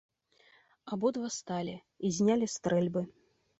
Абодва сталі і знялі стрэльбы.